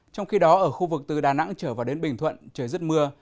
trong khi đó ở khu vực từ đà nẵng trở vào đến bình thuận trời rất mưa